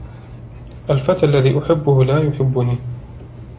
الفتى الذي أحبه لا يحبني.